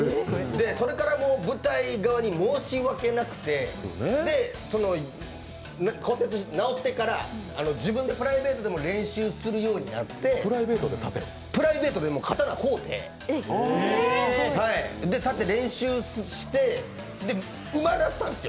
それから舞台側に申し訳なくて骨折治ってから自分でプライベートでも練習するようになって、プライベートで刀買うて、刀練習してうまなったんですよ。